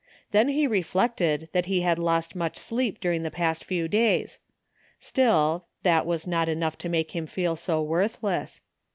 Then he reflected that he had lost much sleep during the past few days; still, that was not enough to make him feel so worthless.